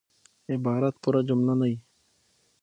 عبارت پوره جمله نه يي.